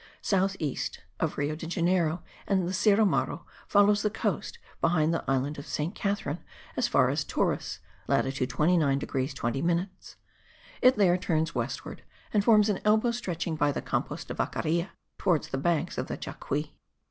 South east of Rio Janeiro the Serra do Mar follows the coast behind the island of Saint Catherine as far as Torres (latitude 29 degrees 20 minutes); it there turns westward and forms an elbow stretching by the Campos of Vacaria towards the banks of the Jacuy.